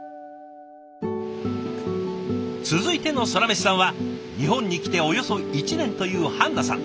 続いてのソラメシさんは日本に来ておよそ１年というハンナさん。